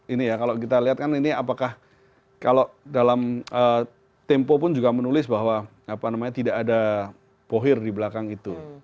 ini ya kalau kita lihat kan ini apakah kalau dalam tempo pun juga menulis bahwa tidak ada bohir di belakang itu